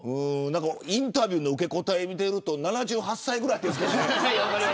インタビューの受け答え見てると７８歳ぐらいですけどね。